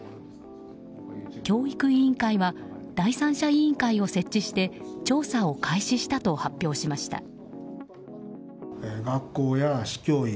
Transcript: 教育委員会は第三者委員会を設置して調査を開始したと発表しました。